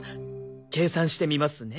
計算してみますね。